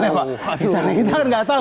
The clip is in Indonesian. misalnya kita kan nggak tahu